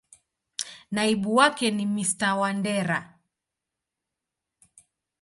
Naibu wake ni Mr.Wandera.